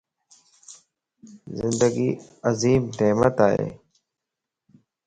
زندگي عظيم نعمت ائي